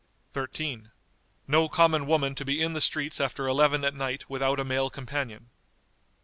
"13. No common woman to be in the streets after eleven at night without a male companion."